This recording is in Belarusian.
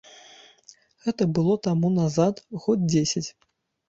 Гэта было таму назад год дзесяць.